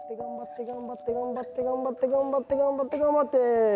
頑張って頑張って頑張って頑張って頑張って頑張って。